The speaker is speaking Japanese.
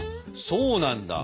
そうなんだ。